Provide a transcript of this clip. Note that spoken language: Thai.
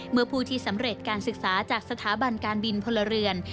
ผู้ที่สำเร็จการศึกษาจากสถาบันการบินพลเรือน